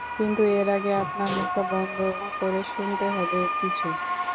কিন্তু, এর আগে আপনার মুখটা বন্ধ করে শুনতে হবে কিছু!